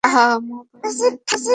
মোবাইলে ডাটা নাই তো।